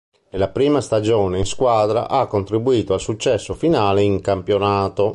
Nella prima stagione in squadra, ha contribuito al successo finale in campionato.